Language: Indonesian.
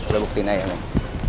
lo buktiin aja emang